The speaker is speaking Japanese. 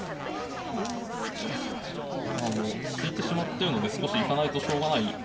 まあもう突いてしまってるので少し行かないとしょうがない